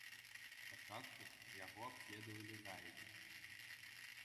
Спачатку яго абследавалі дайверы.